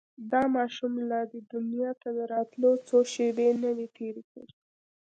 دا ماشوم لا دې دنيا ته د راتلو څو شېبې نه وې تېرې کړې.